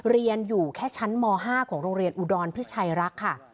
เรียนอยู่แค่ชั้นม๕ของโรงเรียนอุดรพิชัยรักษ์ค่ะ